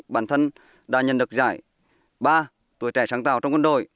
bản thân đã nhận được giải ba tuổi trẻ sáng tạo trong quân đội